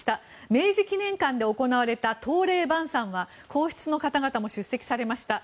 明治記念館で行われた答礼晩さんは皇室の方々も出席されました。